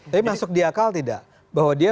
tapi masuk di akal tidak bahwa dia